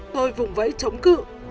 tôi vùng vẫy chống cự